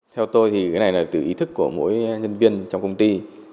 theo tôi thì cái này là từ ý thức của mỗi nhân viên trong công ty